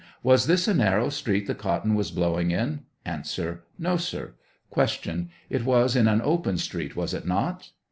Was this a narrow street the cotton was blowing A. No, sir, Q. It was in an open street, was it not